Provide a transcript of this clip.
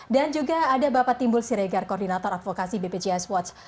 dan juga ada bapak timbul siregar koordinator advokasi bpjs watch